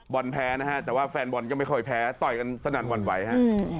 แพ้นะฮะแต่ว่าแฟนบอลก็ไม่ค่อยแพ้ต่อยกันสนั่นหวั่นไหวฮะ